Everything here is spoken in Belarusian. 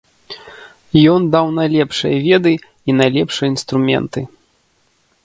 Ён даў найлепшыя веды і найлепшыя інструменты.